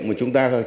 mà chúng ta